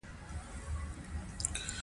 کلي د افغانستان د اقلیم ځانګړتیا ده.